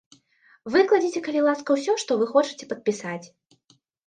Выкладзіце калі ласка ўсё, што вы хочаце падпісаць.